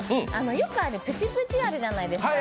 よくあるプチプチ、あるじゃないですか。